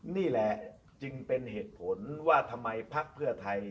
นี่แหละจึงเป็นเหตุผลว่าทำไมพักเพื่อไทย